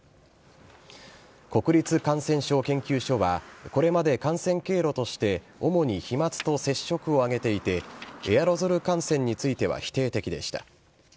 国立感染症研究所は、これまで感染経路として、主に飛まつと接触を挙げていて、エアロゾル感染については否定的でした。